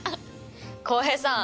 浩平さん。